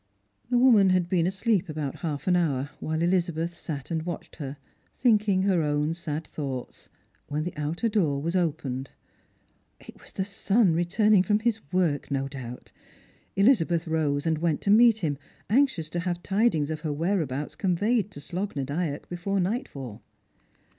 The woman had been asleep about half an hour, while Elizabeth sat and watched her, thinking her own sad thoughts, when the outer door was opened. It was the son returning from his work, no doubt. Elizabeth rose, and went to meet him, anxious to have tidings of her whereabouts conveyed to Slogh na Dyack before nightfall.